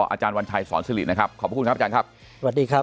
อาจารย์วัญชัยสอนสิรินะครับขอบพระคุณครับอาจารย์ครับสวัสดีครับ